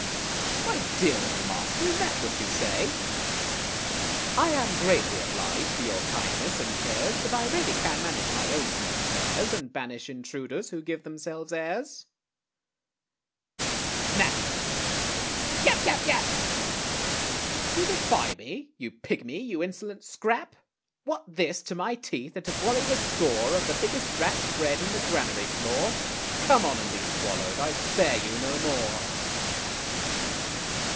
My dear little master, is that what you say? I am greatly obliged for your kindness and cares, But I really can manage my own small affairs, And banish intruders who give themselves airs. Snap! Yap! yap! yap! You defy me? you pigmy, you insolent scrap! What! this to my teeth, that have worried a score Of the biggest rats bred in the granary floor! Come on, and be swallowed! I spare you no more!